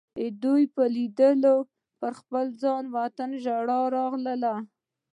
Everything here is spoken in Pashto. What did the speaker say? د دوی په لیدو به پر خپل وطن ژړا راغله.